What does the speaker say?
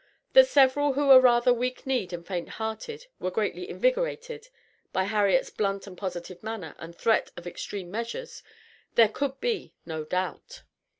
That several who were rather weak kneed and faint hearted were greatly invigorated by Harriet's blunt and positive manner and threat of extreme measures, there could be no doubt.